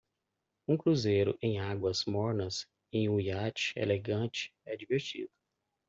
Um cruzeiro em águas mornas em um iate elegante é divertido.